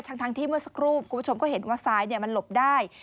ทั้งที่เมื่อสักครู่คุณผู้ชมก็เห็นว่าซ้ายมันหลบได้